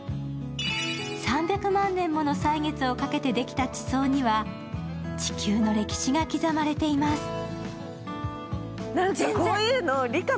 ３００万年もの歳月をかけてできた地層には地球の歴史が刻まれています。